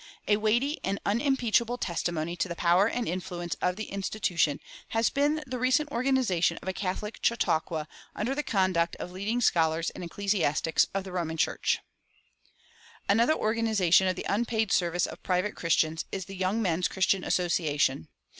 [363:1] A weighty and unimpeachable testimony to the power and influence of the institution has been the recent organization of a Catholic Chautauqua, under the conduct of leading scholars and ecclesiastics of the Roman Church. Another organization of the unpaid service of private Christians is the Young Men's Christian Association.